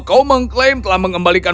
kau mengklaim telah mengembalikan